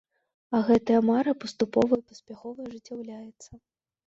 А гэтая мара паступова і паспяхова ажыццяўляецца.